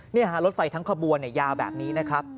นี่ฮะรถไฟทั้งขบวนยาวแบบนี้นะครับ